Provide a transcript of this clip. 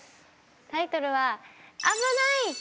タイトルは「あぶない！」。